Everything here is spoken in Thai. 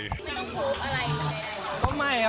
ไม่ต้องพูดอะไรใด